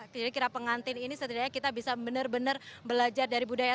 jadi kirap pengantin ini setidaknya kita bisa benar benar belajar dari budaya